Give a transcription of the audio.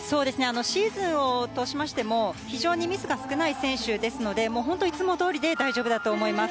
シーズンを通しましても非常にミスが少ない選手ですのでいつもどおりで大丈夫だと思います。